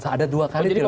ada dua kali ditelepon